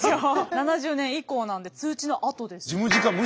７０年以降なんで通知のあとです。